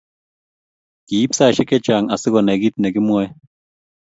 Kiib saishek che chang asikonai kit ne kimwoe